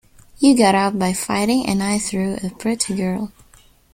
You got out by fighting, and I through a pretty girl.